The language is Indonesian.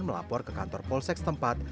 melapor ke kantor polseks tempat